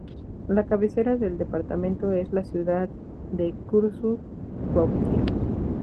La cabecera del departamento es la ciudad de Curuzú Cuatiá.